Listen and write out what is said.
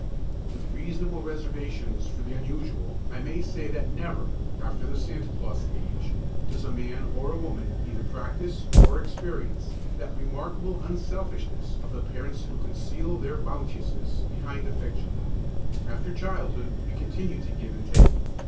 With reasonable reservations for the unusual I may say that never, after the Santa Claus age, does a man or a woman either practise or experience that remarkable unselfishness of the parents who conceal their bounteousness behind a fiction. After childhood we continue to give and take.